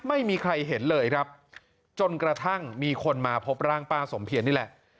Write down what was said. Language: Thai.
ไม่มีใครเห็นเลยครับจนกระทั่งมีคนมาพบร่างป้าสมเพียรนี่แหละ